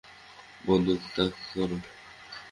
বন্দুক তাক করো।